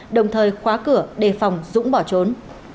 đồng thời khóa cửa để phòng dũng bỏ trốn